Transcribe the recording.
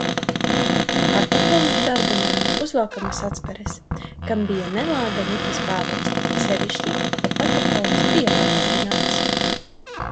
Patafonus darbināja uzvelkamas atsperes, kam bija nelāga niķis pārlūzt, sevišķi, ja patafons bija patapināts.